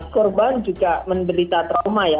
korban juga menderita trauma ya